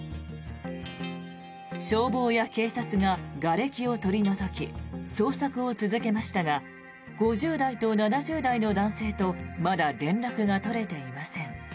消防や警察が、がれきを取り除き捜索を続けましたが５０代と７０代の男性とまだ連絡が取れていません。